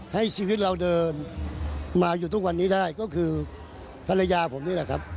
ให้ชีวิตเราเดินมาอยู่ทุกวันนี้ได้ก็คือภรรยาผมนี่แหละครับ